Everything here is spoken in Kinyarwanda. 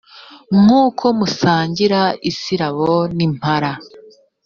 nk’uko musangira isirabo n’impara.